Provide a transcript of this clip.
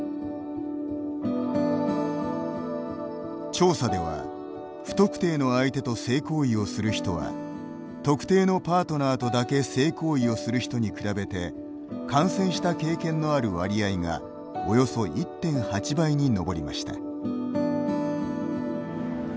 調査では、不特定の相手と性行為をする人は特定のパートナーとだけ性行為をする人に比べて感染した経験のある割合がおよそ１．８倍に上りました。